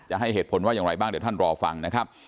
ให้เหตุผลว่าอย่างไรบ้างเดี๋ยวท่านรอฟังนะครับ